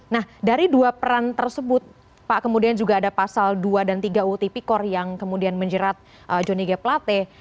nah dari dua peran tersebut pak kemudian juga ada pasal dua dan tiga uu tpkor yang kemudian menjerat johnny g plate